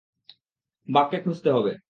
বাককে খুঁজতে হবে।